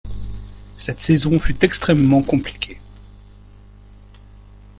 Cette saison fut extrêmement compliquée.